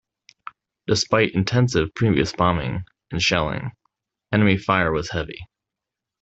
Despite intensive previous bombing and shelling, enemy fire was heavy.